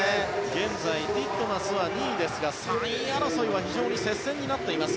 現在ティットマスは２位ですが３位争いは非常に接戦になっています。